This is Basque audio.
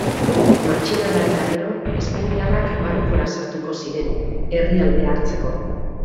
Matxinada eta gero, espainiarrak Marokora sartuko ziren, herrialdea hartzeko.